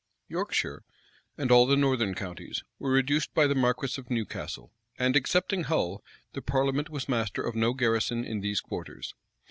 Yorkshire, and all the northern counties, were reduced by the marquis of Newcastle; and, excepting Hull, the parliament was master of no garrison in these quarters.